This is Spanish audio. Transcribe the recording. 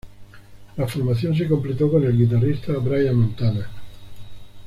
La formación se completó con el guitarrista Brian Montana.